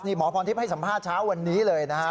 หมอพรทิพย์ให้สัมภาษณ์เช้าวันนี้เลยนะครับ